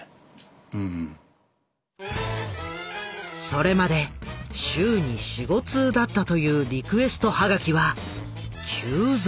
それまで週に４５通だったというリクエストハガキは急増。